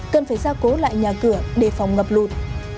cần phải ra cố lại nhà cửa để phòng ngập lụt